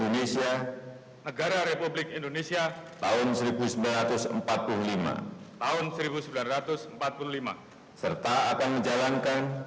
negara republik indonesia tahun seribu sembilan ratus empat puluh lima